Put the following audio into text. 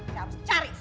saya harus cari